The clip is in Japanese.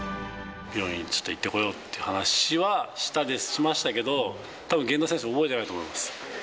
病院にちょっと行ってこようという話はしましたけど、たぶん源田選手、覚えてないと思います。